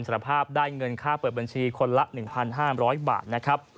สารภาพได้เงินค่าเปิดบัญชีคนละ๑๕๐๐บาทนะครับ